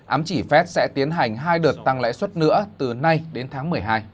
ám chỉ phép sẽ tiến hành hai đợt tăng lãi xuất nữa từ nay đến tháng một mươi hai